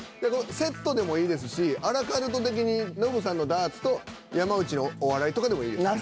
セットでもいいですしアラカルト的にノブさんのダーツと山内のお笑いとかでもいいです。